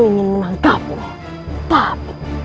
ingin menangkapmu tapi